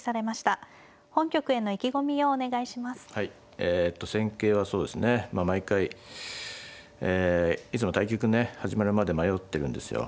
えっと戦型はそうですね毎回いつも対局始まるまで迷ってるんですよ。